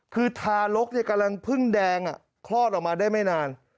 คือทารกกำลังพึ่งแดงคลอดออกมาได้ไม่นาน